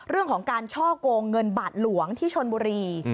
เรื่องของการช่อกงเงินบาทหลวงที่ชนบุรี